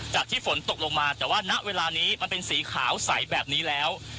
จากที่ฝนตกลงมาแต่ว่าณเวลานี้มันเป็นสีขาวใสแบบนี้แล้ว